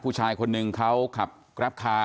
ผู้ชายคนหนึ่งเขาขับกราฟคาร์